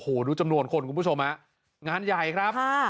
โอ้โหดูจำนวนคนคุณผู้ชมฮะงานใหญ่ครับ